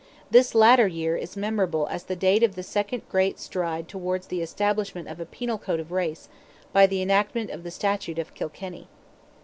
This latter year is memorable as the date of the second great stride towards the establishment of a Penal Code of race, by the enactment of the "Statute of Kilkenny."